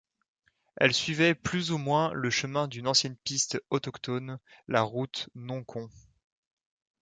Elle suivait plus ou moins le chemin d'une ancienne piste autochtone, la Route Nonquon.